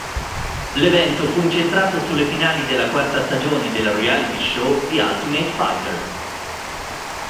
L'evento fu incentrato sulle finali della quarta stagione del reality show "The Ultimate Fighter".